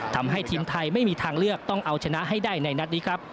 ทำให้ทีมไทยไม่มีทางเลือกต้องเอาชนะให้ได้ในนัดนี้ครับ